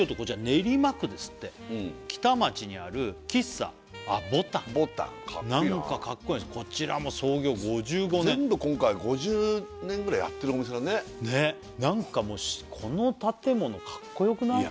練馬区ですって北町にある喫茶ボタンボタンかっこいいななんかかっこいいんですこちらも創業５５年全部今回５０年ぐらいやってるお店だねねっなんかもうこの建物かっこよくない？